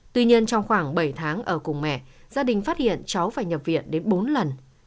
tuy nhiên trong khoảng bảy tháng ở cùng mẹ gia đình phát hiện cháu phải nhập viện đến bốn lần